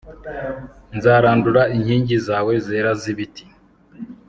Nzarandura inkingi zawe zera z’ibiti